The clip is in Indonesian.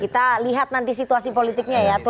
kita lihat nanti situasi politiknya ya